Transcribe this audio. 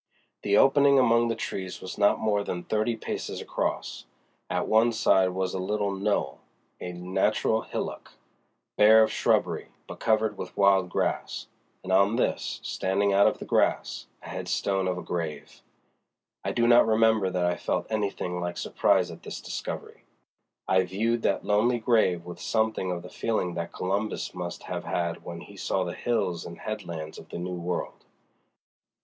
The opening among the trees was not more than thirty paces across. At one side was a little knoll—a natural hillock, bare of shrubbery but covered with wild grass, and on this, standing out of the grass, the headstone of a grave! I do not remember that I felt anything like surprise at this discovery. I viewed that lonely grave with something of the feeling that Columbus must have had when he saw the hills and headlands of the new world.